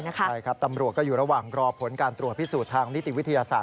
ใช่ครับตำรวจก็อยู่ระหว่างรอผลการตรวจพิสูจน์ทางนิติวิทยาศาส